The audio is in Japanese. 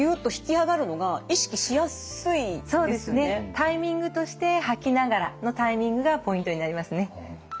タイミングとして吐きながらのタイミングがポイントになりますね。